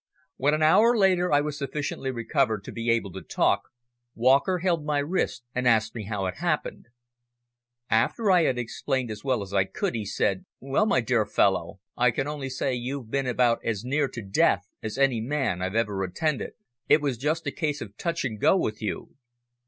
When, an hour later, I was sufficiently recovered to be able to talk, Walker held my wrist and asked me how it all happened. After I had explained as well as I could, he said "Well, my dear fellow, I can only say you've been about as near to death as any man I've ever attended. It was just a case of touch and go with you.